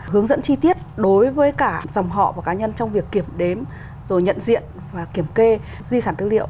hướng dẫn chi tiết đối với cả dòng họ và cá nhân trong việc kiểm đếm rồi nhận diện và kiểm kê di sản tư liệu